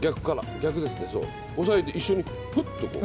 押さえて一緒にフッとこう。